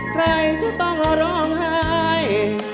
ใครจะต้องร้องไห้